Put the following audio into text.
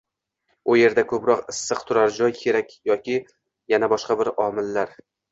U yerda koʻproq issiq turar joy kerak yoki yana boshqa bir omillar.